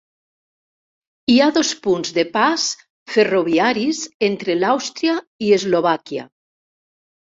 Hi ha dos punts de pas ferroviaris entre l'Àustria i Eslovàquia.